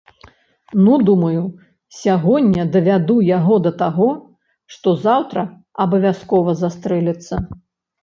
Ну, думаю, сягоння давяду яго да таго, што заўтра абавязкова застрэліцца.